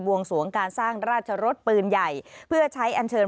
วงสวงการสร้างราชรสปืนใหญ่เพื่อใช้อันเชิญ